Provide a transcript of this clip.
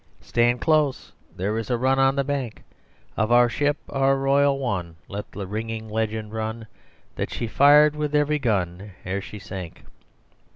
Stand close: there is a run On the Bank. Of our ship, our royal one, let the ringing legend run, That she fired with every gun Ere she sank."